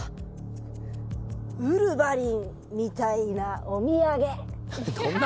「ウルヴァリンみたいなお土産」。